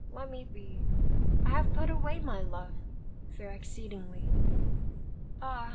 let me be: I have put away my love, Fair exceedingly. Ah!